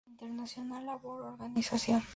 International Labour Organization.